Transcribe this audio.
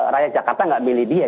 rakyat jakarta nggak milih dia